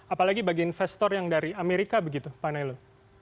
apalagi bagi investor yang dari amerika begitu pak nailu